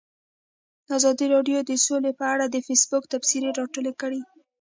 ازادي راډیو د سوله په اړه د فیسبوک تبصرې راټولې کړي.